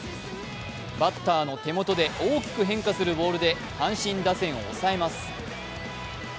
バッターの手元で大きく変化するボールで阪神打線を抑えます。